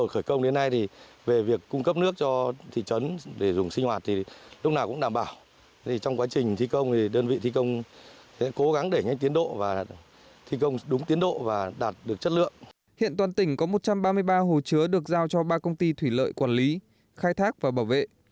hiện toàn tỉnh có một trăm ba mươi ba hồ chứa được giao cho ba công ty thủy lợi quản lý khai thác và bảo vệ